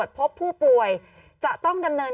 กล้องกว้างอย่างเดียว